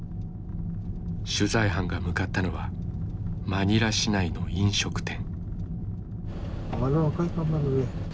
取材班が向かったのはマニラ市内の飲食店。